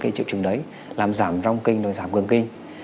cái triệu chứng đấy làm giảm rong kinh rồi giảm cường kinh